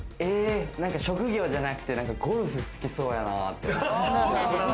職業じゃなくてゴルフ好きそうやなって。